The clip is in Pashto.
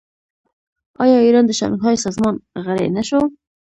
آیا ایران د شانګهای سازمان غړی نه شو؟